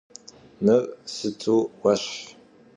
Мыр сыту уэщхь!